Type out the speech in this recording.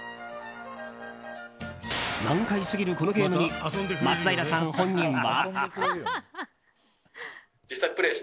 難解すぎるこのゲームに松平さん本人は。